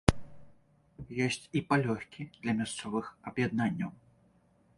Ёсць і палёгкі для мясцовых аб'яднанняў.